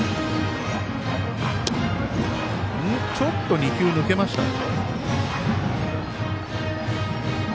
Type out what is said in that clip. ちょっと２球、抜けましたよ。